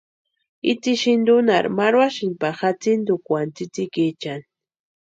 Itsï sïntunharhi marhuasïnti pari jatsïntukwani tsïtsïkiechani.